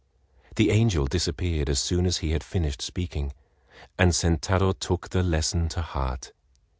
The angel disappeared as soon as he had finished speaking, and Sentaro took the lesson to heart.